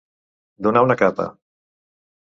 Donar una capa.